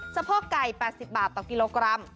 สะโพกไก่๘๐บาทต่อกิโลกรัม